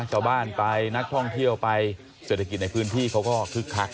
ชาวบ้านไปนักท่องเที่ยวไปเศรษฐกิจในพื้นที่เขาก็คึกคัก